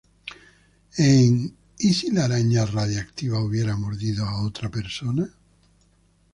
En ""¿Y si la araña radiactiva hubiera mordido a otra persona?